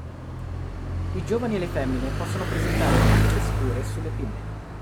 I giovani e le femmine possono presentare macchie scure sulle pinne.